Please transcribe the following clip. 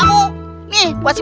untuk menjiing dataran